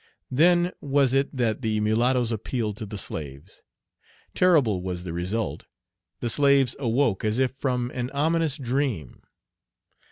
Then was it that the mulattoes appealed to the slaves. Terrible was the result. The slaves awoke as if from an ominous dream.